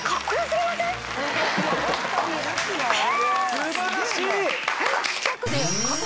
素晴らしい！